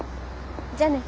じゃあね。